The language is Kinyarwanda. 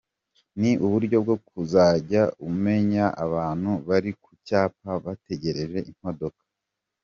Ni uburyo bwo kuzajya umenya abantu bari ku cyapa bategereje imodoka.